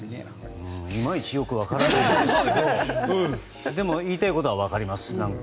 いまいちよく分からないですがでも、言いたいことは分かります。